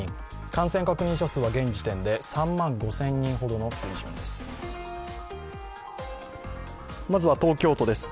感染確認者数は現時点で３万５０００人ほどの水準です。